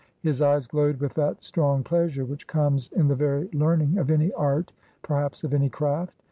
His eyes glowed with that strong pleasure which comes in the very learning of any art, perhaps of any craft.